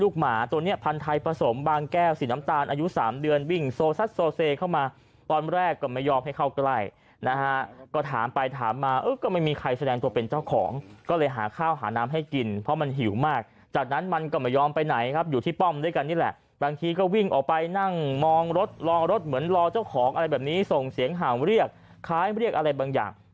หมาตัวเนี้ยพันธัยผสมบางแก้วสีน้ำตาลอายุสามเดือนวิ่งโซซัดโซเซเข้ามาตอนแรกก็ไม่ยอมให้เข้าใกล้นะฮะก็ถามไปถามมาเออก็ไม่มีใครแสดงตัวเป็นเจ้าของก็เลยหาข้าวหาน้ำให้กินเพราะมันหิวมากจากนั้นมันก็ไม่ยอมไปไหนครับอยู่ที่ป้อมด้วยกันนี่แหละบางทีก็วิ่งออกไปนั่งมองรถลองรถเหมือนรอเจ้าของอะไรแบบนี้ส่งเสียงเห่าเรียกคล้ายเรียกอะไรบางอย่าง